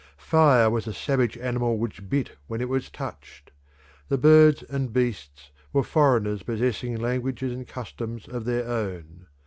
Fire was a savage animal which bit when it was touched. The birds and beasts were foreigners possessing languages and customs of their own.